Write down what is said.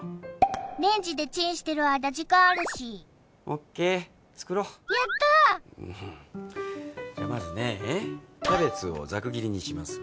レンジでチンしてる間時間あるしオッケー作ろうやったーじゃあまずねえキャベツをざく切りにします